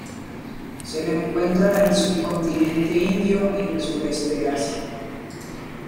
Se lo encuentra en el subcontinente indio y el sureste de Asia.